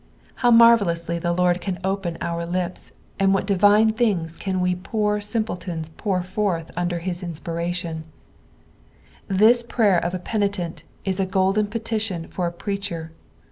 How marvellously the Lord can open our lips, and what divine things can we poor aimpletona pour forth under his inspiration 1 This prayer of a penitent is a golden petition for a preacher.